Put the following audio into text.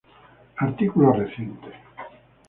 Artículos recientes